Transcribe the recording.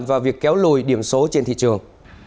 vào việc kéo lùi điểm số trên thị trường